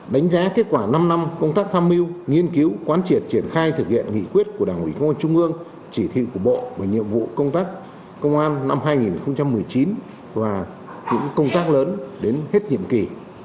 đánh giá kết quả năm năm công tác tham mưu nghiên cứu quán triệt triển khai thực hiện nghị quyết của đảng ủy công an trung ương chỉ thị của bộ và nhiệm vụ công tác công an năm hai nghìn một mươi chín và những công tác lớn đến hết nhiệm kỳ